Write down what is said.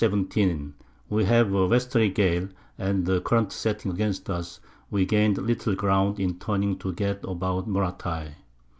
_ We having a Westerly Gale, and the Current setting against us, we gained little Ground in turning to get about Moratay.